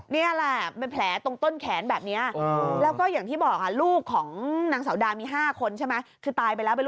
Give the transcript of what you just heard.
นี่หรือเปล่าแผลนี่หรือเปล่า